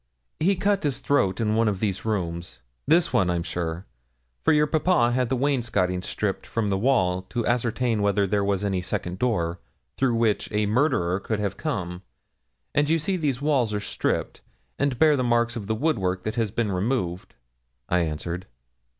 'He cut his throat in one of these rooms this one, I'm sure for your papa had the wainscoting stripped from the wall to ascertain whether there was any second door through which a murderer could have come; and you see these walls are stripped, and bear the marks of the woodwork that has been removed,' I answered.